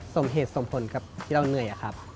สมเหตุสมผลกับที่เราเหนื่อยอะครับ